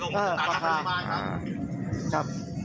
มันซะมาปนก่อนเลยอะครับ